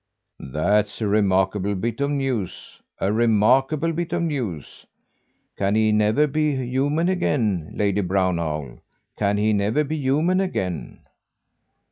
"That's a remarkable bit of news, a remarkable bit of news. Can he never be human again, Lady Brown Owl? Can he never be human again?"